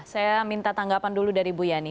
saya minta tanggapan dulu dari bu yani